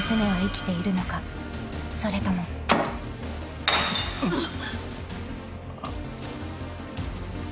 ［それとも］あっ。